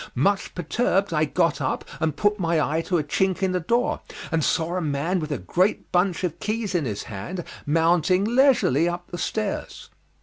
Much perturbed I got up and put my eye to a chink in the door, and saw a man with a great bunch of keys in his hand mounting leisurely up the stairs.